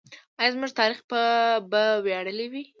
آیا زموږ تاریخ به ویاړلی وي؟